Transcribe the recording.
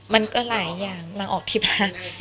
มันก็หลายอย่างนั้นออกทริปละ